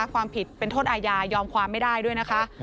ความผิดเป็นโทษอาญายอมความไม่ได้ด้วยนะคะ